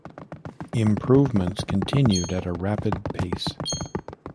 Improvements continued at a rapid pace.